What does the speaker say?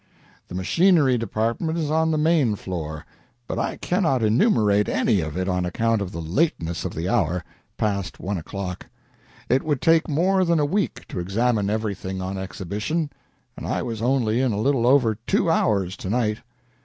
"The machinery department is on the main floor, but I cannot enumerate any of it on account of the lateness of the hour (past one o'clock). It would take more than a week to examine everything on exhibition, and I was only in a little over two hours to night.